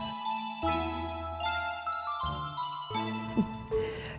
apa yang kamu mau